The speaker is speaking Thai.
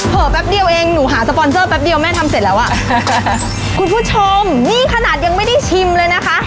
แป๊บเดียวเองหนูหาสปอนเซอร์แป๊บเดียวแม่ทำเสร็จแล้วอ่ะคุณผู้ชมนี่ขนาดยังไม่ได้ชิมเลยนะคะ